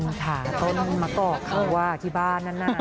คุณขาต้นมะกอกคำว่าที่บ้านนั้นน่ะ